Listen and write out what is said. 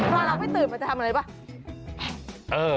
ถ้าเราไม่ตื่นจะทำอะไรบ้าง